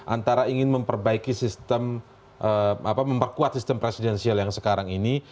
antara ingin memperbaiki sistem memperkuat sistem presidensial yang sekarang ini